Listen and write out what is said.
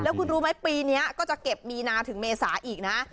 คุณรู้ไหมปีนี้ก็จะเก็บมีนาถึงเมษาอีกนะ